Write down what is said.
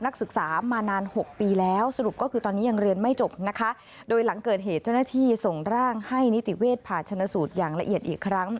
การชนะสูตรอย่างละเอียดอีกครั้ง